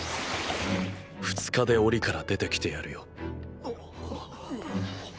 ２日で檻から出て来てやるよ。